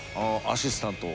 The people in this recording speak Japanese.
アシスタント！？